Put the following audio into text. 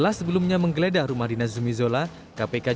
kepala kepala kepala